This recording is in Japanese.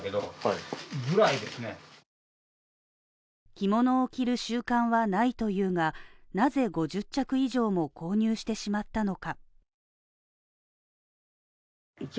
着物を着る習慣はないというが、なぜ５０着以上も購入してしまったのか。